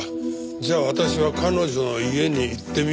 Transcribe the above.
じゃあ私は彼女の家に行ってみますか。